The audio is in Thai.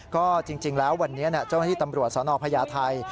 ก็จริงแล้ววันนี้เจ้าหน้าที่ตำรวจสนพญาไทย